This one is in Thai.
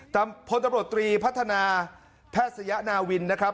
พลตำรวจตรีพัฒนาแพทยศยนาวินนะครับ